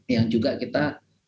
yang juga kita